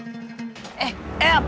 hah kacau tuh